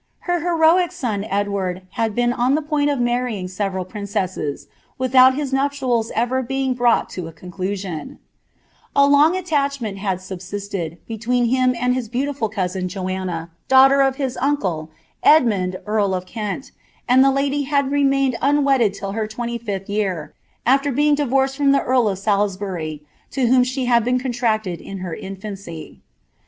Her heroic Edward had been on the point of marrying several princesses, with 18 nuptials ever being brought to a conclusion, long attachment had subsisted, between him and his beautiful 1, Joanna, daughter of his uncle, Edmund eail of Kept, and the had remained un wedded till her twenty fifth year, afler being »d from the earl of Salisbury, to whom she had been contracted in lAuacy.